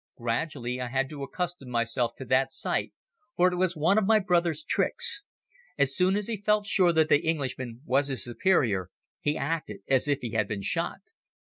Gradually I had to accustom myself to that sight for it was one of my brother's tricks. As soon as he felt sure that the Englishman was his superior he acted as if he had been shot.